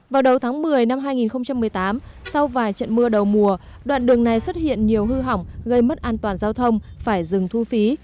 vào đầu tháng một mươi năm hai nghìn một mươi tám sau vài trận mưa đầu mùa đoạn đường này xuất hiện nhiều hư hỏng gây mất an toàn giao thông phải dừng thu phí